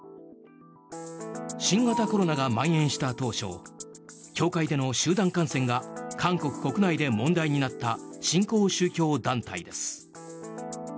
新型コロナがまん延した当初教会での集団感染が韓国国内で問題になった新興宗教団体です。